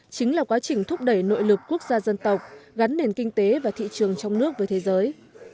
chính là quá trình thúc đẩy nội lực quốc gia dân tộc gắn nền kinh tế và thị trường trong nước với thế giới